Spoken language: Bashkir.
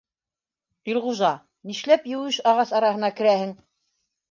— Илғужа, нишләп еүеш ағас араһына керәһең?